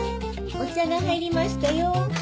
お茶が入りましたよ。